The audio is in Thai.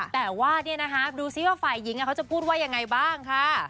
แต่ดูซิว่าฝ่ายยิงจะพูดยังไงบ้าง